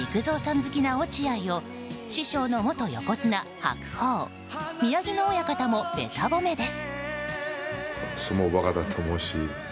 好きな落合を師匠の元横綱・白鵬宮城野親方もべた褒めです。